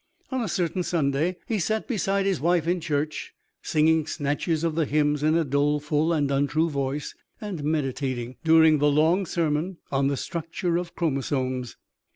On a certain Sunday he sat beside his wife in church, singing snatches of the hymns in a doleful and untrue voice and meditating, during the long sermon, on the structure of chromosomes.